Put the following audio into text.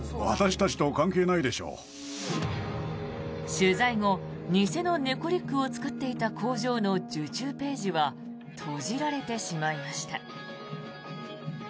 取材後、偽の猫リュックを作っていた工場の受注ページは閉じられてしまいました。